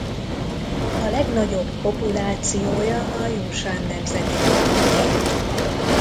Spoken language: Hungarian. A legnagyobb populációja a Yu-Shan Nemzeti Parkban él.